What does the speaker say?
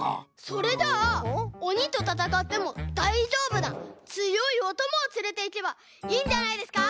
それじゃあおにとたたかってもだいじょうぶなつよいおともをつれていけばいいんじゃないですか？